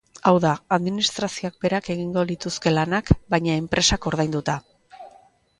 Hau da, administrazioak berak egingo lituzke lanak, baina enpresak ordainduta.